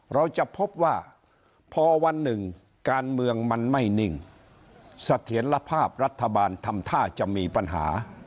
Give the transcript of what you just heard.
เราจะพบว่าพอวันหนึ่งการเมืองมันไม่นิ่งเสถียรภาพรัฐบาลทำท่าจะมีปัญหา